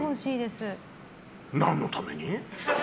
何のために？